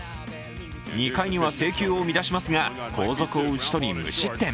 ２回には制球を乱しますが、後続を打ち取り無失点。